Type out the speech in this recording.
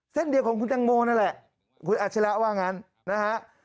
เส้นเดียวของคุณตังโมนั่นแหละคุณอาชิระว่างั้นนะฮะ